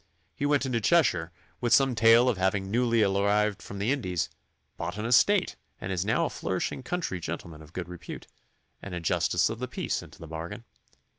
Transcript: He went into Cheshire, with some tale of having newly arrived from the Indies, bought an estate, and is now a flourishing country gentleman of good repute, and a Justice of the Peace into the bargain.